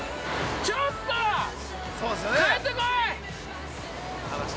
◆ちょっと、帰ってこい！